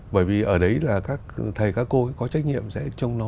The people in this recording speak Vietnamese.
bởi vì ở đấy là các thầy các cô có trách nhiệm sẽ trông nó